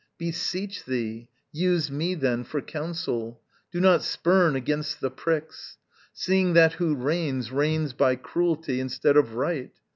Beseech thee, use me then For counsel: do not spurn against the pricks, Seeing that who reigns, reigns by cruelty Instead of right.